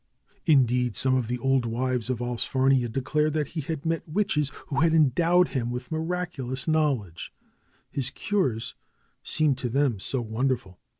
Indeed, some of the old wives of Allsfarnia declared that he had met witches, who had endowed him with miraculous knowl edge — his cures seemed to them so wonderful.